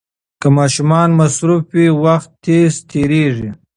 که ماشومان مصروف وي، وخت تېز تېریږي.